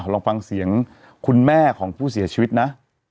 ลองฟังเสียงคุณแม่ของผู้เสียชีวิตนะ